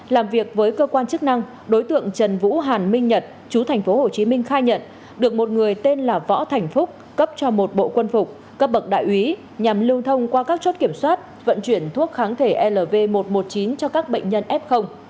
làm việc với cơ quan chức năng đối tượng trần vũ hàn minh nhật chú tp hcm khai nhận được một người tên là võ thành phúc cấp cho một bộ quân phục cấp bậc đại úy nhằm lưu thông qua các chốt kiểm soát vận chuyển thuốc kháng thể lv một trăm một mươi chín cho các bệnh nhân f